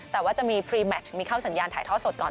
แต่ว่าจะมีพรีแมชมีเข้าสัญญาณถ่ายทอดสดก่อน